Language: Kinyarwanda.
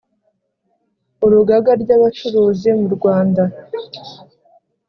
Urugagary Abacuruzi Mu Rwanda